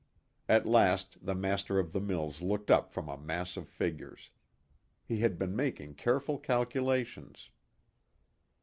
At last the master of the mills looked up from a mass of figures. He had been making careful calculations.